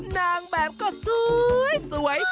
นางแบบก็สวย